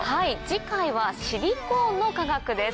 次回はシリコーンの科学です。